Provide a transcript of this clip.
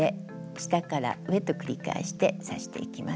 下から上と繰り返して刺していきます。